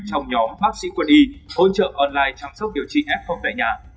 trong nhóm bác sĩ quân y hỗ trợ online chăm sóc điều trị f tại nhà